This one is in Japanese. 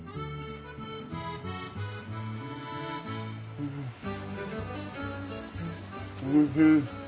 うんおいしい。